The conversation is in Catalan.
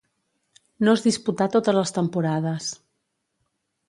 No es disputà totes les temporades.